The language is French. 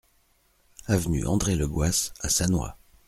Avenue André Le Goas à Sannois